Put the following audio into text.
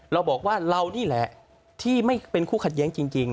เราบอกว่าเรานี่แหละที่ไม่เป็นคู่ขัดแย้งจริง